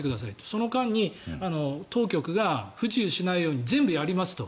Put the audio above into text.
その間に当局が不自由しないように全部やりますと。